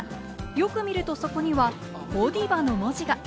よく見るとそこには、ゴディバの文字が。